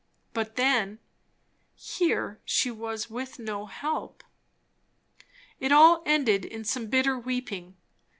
But then, here she was with no help! It all ended in some bitter weeping.